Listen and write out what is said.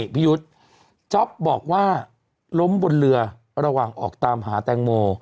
พี่ยุฒะจ๊อปบอกว่าล้มบนเรือเพราะตามหาแตงโม